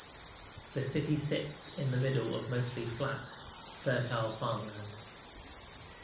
The city sits in the middle of mostly flat, fertile farmland.